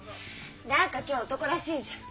何か今日男らしいじゃん。